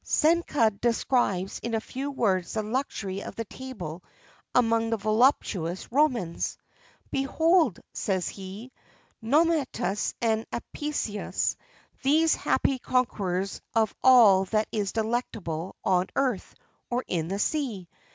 Seneca describes in few words the luxury of the table among the voluptuous Romans: "Behold," says he, "Nomentanus and Apicius, those happy conquerors of all that is delectable on earth or in the sea.